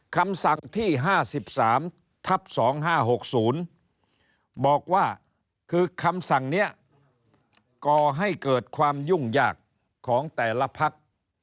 คำสั่งที่๕๓ทับ๒๕๖๐บอกว่าคือคำสั่งนี้ก่อให้เกิดความยุ่งยากของแต่ละพัก